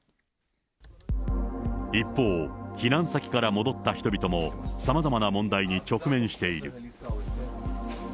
一方、避難先から戻った人々も、さまざまな問題に直面している。